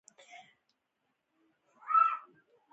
دوهم د الکترولیتیک توپیر منځ ته راځي.